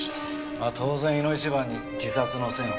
まあ当然いの一番に自殺の線を考えるな。